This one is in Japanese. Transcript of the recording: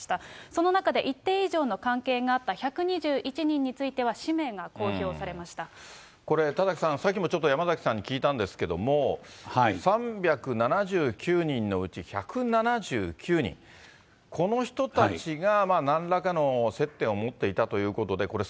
その中で一定以上の関係があった１２１人については、これ田崎さん、さっきもちょっと山崎さんに聞いたんですけれども、３７９人のうち１７９人、この人たちがなんらかの接点を持っていたということで、これ、